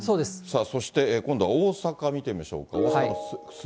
そして今度は大阪見てみましょうか、大阪です。